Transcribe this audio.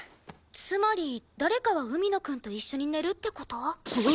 つまり誰かは海野くんと一緒に寝るって事？